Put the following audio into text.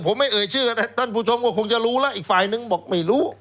ผมไม่เอ่ยชื่อท่านผู้ชมก็คงจะรู้แล้วอีกฝ่ายนึงบอกไม่รู้